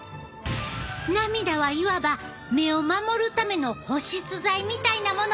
涙はいわば目を守るための保湿剤みたいなものってわけやな。